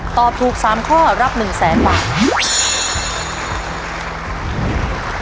ตอบถูก๓ข้อรับ๑๐๐๐๐๐บาท